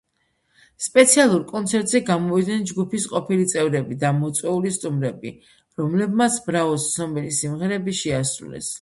სპეციალურ კონცერტზე გამოვიდნენ ჯგუფის ყოფილი წევრები და მოწვეული სტუმრები, რომლებმაც „ბრავოს“ ცნობილი სიმღერები შეასრულეს.